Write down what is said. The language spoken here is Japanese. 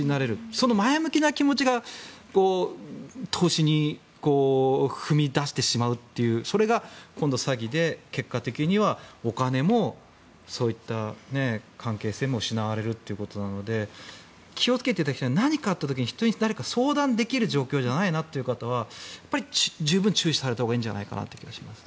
その前向きな気持ちが投資に踏み出してしまうというそれが今度は詐欺で結果的にはお金もそういった関係性も失われるということなので気をつけていただきたいのは何かあった時に人に相談できる状況じゃないなという方は十分注意されたほうがいいんじゃないかと思います。